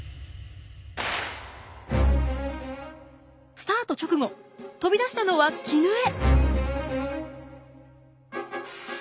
スタート直後飛び出したのは絹枝。